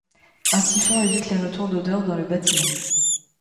Un siphon évite les retours d'odeurs dans le bâtiment.